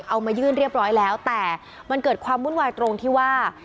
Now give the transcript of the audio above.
เอามายื่นเรียบร้อยแล้วแต่มันเกิดความวุ่นวายตรงที่ว่า